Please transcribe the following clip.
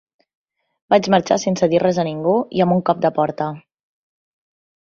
Vaig marxar sense dir res a ningú i amb un cop de porta.